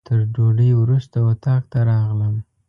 تر ډوډۍ وروسته اتاق ته راغلم.